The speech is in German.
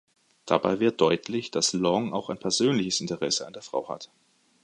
Dabei wird deutlich, dass Long auch ein persönliches Interesse an der Frau hat.